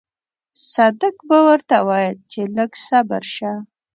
صدک به ورته ويل چې لږ صبر شه.